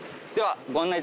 では。